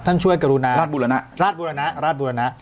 ช่วยกรุณาราชบุรณะราชบุรณะราชบุรณะ